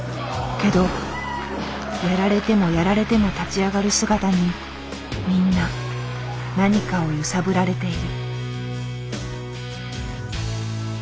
けどやられてもやられても立ち上がる姿にみんな何かを揺さぶられている。